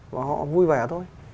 và họ vui vẻ thôi